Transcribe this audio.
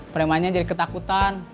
premannya jadi ketakutan